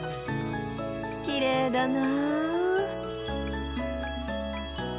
きれいだな。